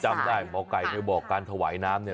จำได้หมอไก่เคยบอกการถวายน้ำเนี่ย